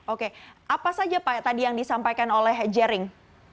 oke apa saja pak tadi yang disampaikan oleh jering